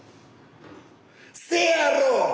せやろ！